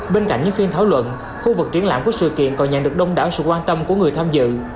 bên cạnh những phiên thảo luận khu vực triển lãm của sự kiện còn nhận được đông đảo sự quan tâm của người tham dự